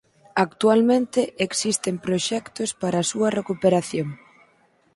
Actualmente existen proxectos para a súa recuperación.